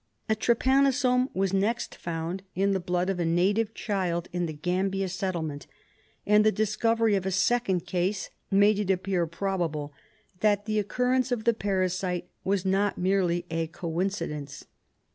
A trypanosome was next found in the blood of a native child in the Gambia settlement, and the discovery of a second case made it appear probable that the occurrence of the parasite was not merely a coincidence.